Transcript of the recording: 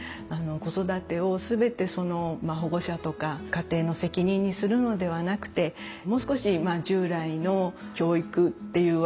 子育てを全てその保護者とか家庭の責任にするのではなくてもう少し従来の教育っていう枠組みも超えてですね